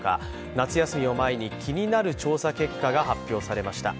夏休みを前に気になる調査結果が発表されました。